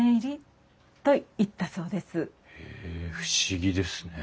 へえ不思議ですね。